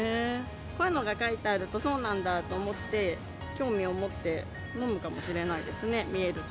こういうのが書いてあると、そうなんだと思って、興味を持って、飲むかもしれないですね、見えると。